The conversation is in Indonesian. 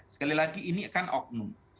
sekali lagi ini kan oknum